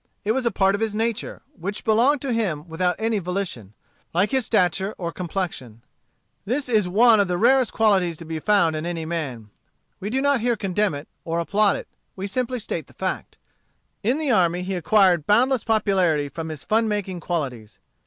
It was a part of his nature, which belonged to him without any volition, like his stature or complexion. This is one of the rarest qualities to be found in any man. We do not here condemn it, or applaud it. We simply state the fact. In the army he acquired boundless popularity from his fun making qualities.